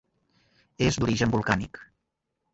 És d'origen volcànic.